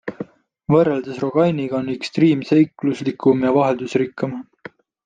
Võrreldes rogainiga on Xdream seikluslikum ja vaheldusrikkam.